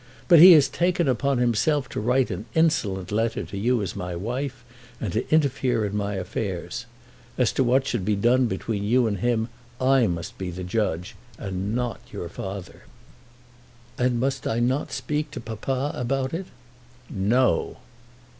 But he has taken upon himself to write an insolent letter to you as my wife, and to interfere in my affairs. As to what should be done between you and him I must be the judge, and not your father." "And must I not speak to papa about it?" "No!"